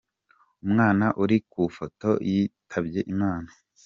Umwana uri ku ifoto yitabye Imana.